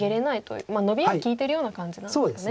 ノビが利いてるような感じなんですね。